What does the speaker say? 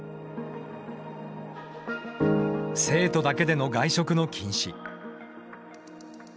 生徒だけでの外食の禁止。